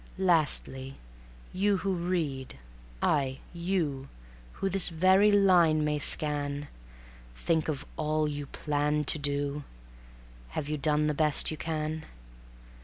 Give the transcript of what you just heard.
Lastly, you who read; aye, you Who this very line may scan: Think of all you planned to do ... Have you done the best you can?